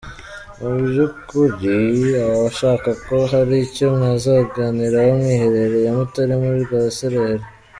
mu byukuri aba ashaka ko hari icyo mwazaganiraho mwiherereye mutari muri rwaserera.